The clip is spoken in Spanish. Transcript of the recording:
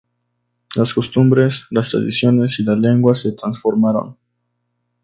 Las costumbres, las tradiciones y la lengua se transformaron.